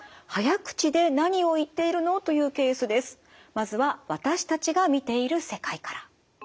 まずは私たちが見ている世界から。